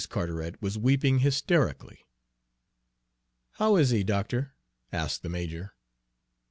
Carteret was weeping hysterically. "How is he, doctor?" asked the major.